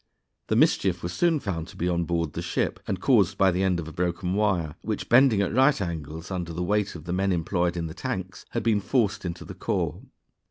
The mischief was soon found to be on board the ship, and caused by the end of a broken wire, which, bending at right angles under the weight of the men employed in the tanks, had been forced into the core.